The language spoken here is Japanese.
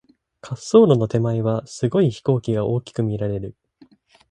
滑走路の手前は、すごい飛行機が大きく見られる。